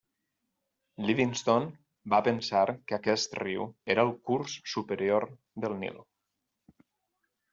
Livingstone va pensar que aquest riu era el curs superior del Nil.